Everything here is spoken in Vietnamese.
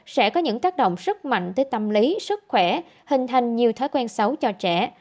sẽ có những tác động rất mạnh tới tâm lý sức khỏe hình thành nhiều thói quen xấu cho trẻ